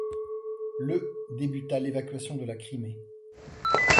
Le débuta l’évacuation de la Crimée.